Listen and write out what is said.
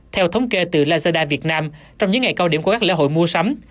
theo thống kê từ lazada việt nam trong những ngày cao điểm của các lễ hội mua sắm